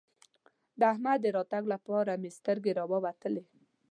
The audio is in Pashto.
د احمد د راتګ لپاره مې سترګې راووتلې.